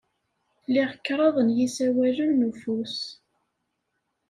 Liɣ kraḍ n yisawalen n ufus.